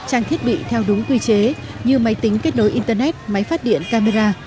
trang thiết bị theo đúng quy chế như máy tính kết nối internet máy phát điện camera